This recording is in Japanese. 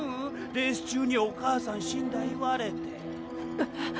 レース中にお母さん死んだ言われて。